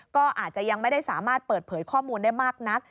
ก็อาจจะยังไม่ได้สามารถเปิดเผยข้อมูลได้มากนัก